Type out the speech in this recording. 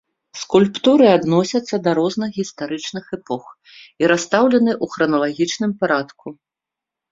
Скульптуры адносяцца да розных гістарычных эпох і расстаўлены ў храналагічным парадку.